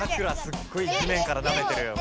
すっごい地めんからなめてるよね。